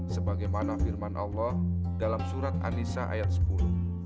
sebagaimana firman allah dalam surat anissa ayat sepuluh